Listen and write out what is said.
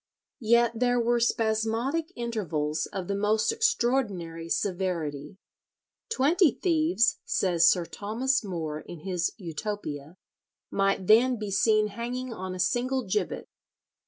Yet there were spasmodic intervals of the most extraordinary severity. Twenty thieves, says Sir Thomas More in his "Utopia," might then be seen hanging on a single gibbet.